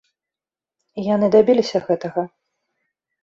І яны дабіліся гэтага.